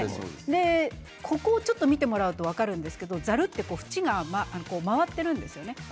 ちょっと見てもらうと分かるんですけれど、ざるは縁が回っているんですね。